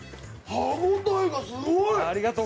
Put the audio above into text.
歯ごたえがすごい。